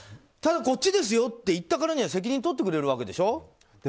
ただ、こっちですよと言ったからには責任を取ってくれるわけでしょ。